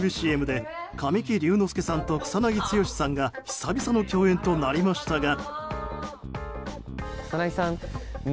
ＣＭで神木隆之介さんと草なぎ剛さんが久々の共演となりましたが。